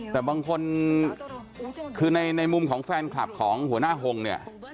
แต่บางคนคือในมุมของแฟนคลับของหัวหน้าฮงเนี่ย